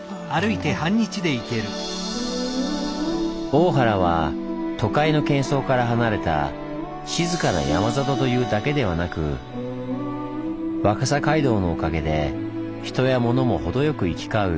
大原は都会のけん騒から離れた「静かな山里」というだけではなく若狭街道のおかげで人や物も程よく行き交う